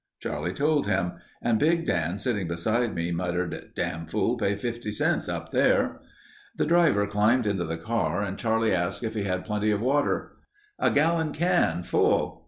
Charlie told him, and Big Dan sitting beside me muttered: "Dam' fool'll pay 50 cents up there." The driver climbed into the car and Charlie asked if he had plenty of water. "A gallon can full...."